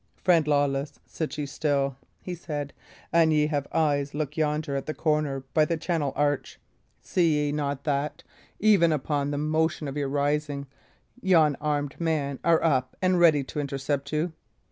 "Friend Lawless, sit ye still," he said. "An ye have eyes, look yonder at the corner by the chancel arch; see ye not that, even upon the motion of your rising, yon armed men are up and ready to intercept you?